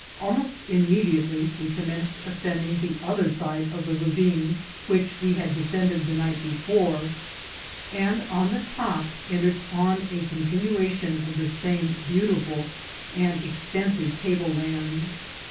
Almost immediately we commenced ascending the other side of the ravine which we had descended the night before, and on the top entered on a continuation of the same beautiful and ex tensive table land.